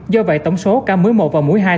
do vậy tổng số ca mối một và mối hai